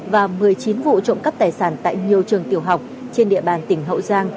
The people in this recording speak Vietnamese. và một mươi chín vụ trộm cắp tài sản tại nhiều trường tiểu học trên địa bàn tỉnh hậu giang